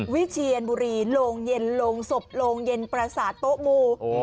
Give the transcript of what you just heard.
วิเชียนบุรีโรงเย็นโรงศพโรงเย็นประสาทโต๊ะมู